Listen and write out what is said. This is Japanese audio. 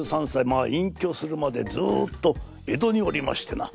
まあいんきょするまでずっと江戸におりましてな